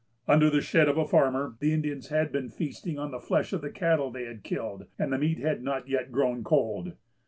Under the shed of a farmer, the Indians had been feasting on the flesh of the cattle they had killed, and the meat had not yet grown cold.